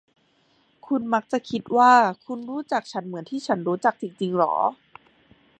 คุณมักจะคิดว่าคุณรู้จักฉันเหมือนที่ฉันรู้จักจริง ๆ เหรอ ?